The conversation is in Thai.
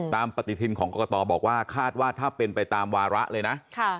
ปฏิทินของกรกตบอกว่าคาดว่าถ้าเป็นไปตามวาระเลยนะ